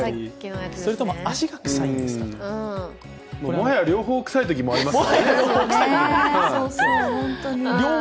もはや、両方臭いときもあります